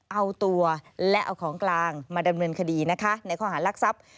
เอาตัวและเอาของกลางมาดำเนินคดีนะคะในข้อหารักทรัพย์